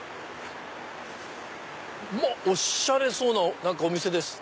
おしゃれそうなお店です。